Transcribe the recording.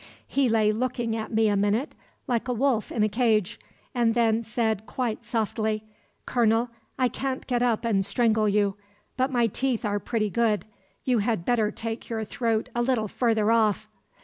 He lay looking at me a minute, like a wolf in a cage, and then said quite softly: 'Colonel, I can't get up and strangle you; but my teeth are pretty good; you had better take your throat a little further off.'